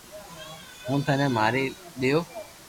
ھون ٿني ماري دآيو